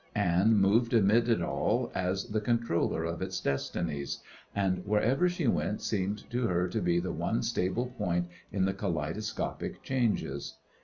Anne moved amid it all as the controller of its destinies, and wherever she went seemed to her to be the one stable point in the kaleidoscopic changes.